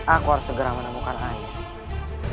aku harus segera menemukan anies